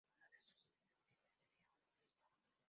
Uno de sus descendientes sería su obispo.